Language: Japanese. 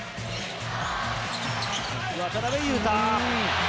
渡邊雄太。